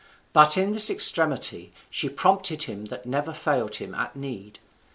But in this extremity she prompted him that never failed him at need.